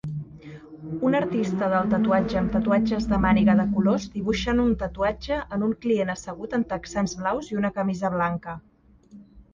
Un artista del tatuatge amb tatuatges de màniga de colors dibuixen un tatuatge en un client assegut en texans blaus i una camisa blanca